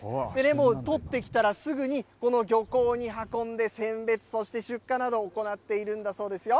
もう、とってきたらすぐに、この漁港に運んで、選別、そして出荷などを行っているんだそうですよ。